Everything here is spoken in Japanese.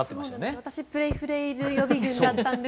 私、プレフレイル予備軍だったんです。